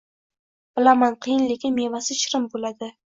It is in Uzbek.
Bilaman qiyin lekin mevasi shirin boʻladi